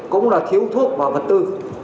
cũng là thiếu thuốc và vật tư